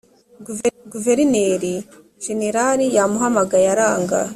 guverineri jenerari yamuhamagaye aranga